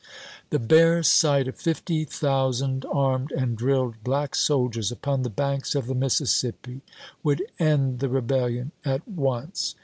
The bare sight of fifty thou sand armed and drilled black soldiers upon the banks of the Mississippi would end the rebellion at once.